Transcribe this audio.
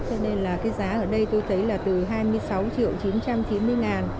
cho nên giá ở đây tôi thấy là từ hai mươi sáu triệu chín trăm chín mươi ngàn đến hai mươi chín triệu chín trăm chín mươi ngàn